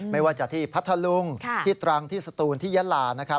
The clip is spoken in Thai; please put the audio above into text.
ไม่ว่าจะที่พัทธลุงที่ตรังที่สตูนที่ยะลานะครับ